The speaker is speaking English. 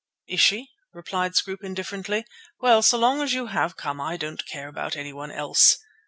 "Is she?" replied Scroope indifferently. "Well, so long as you have come I don't care about anyone else."